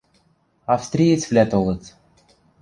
– Австриецвлӓ толыт...